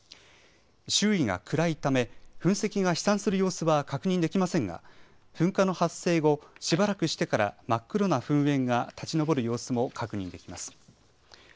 周囲が暗いため噴石が飛散する様子は確認できませんが噴火の発生後、しばらくしてから真っ黒な噴煙が立ち上る様子も確認できます。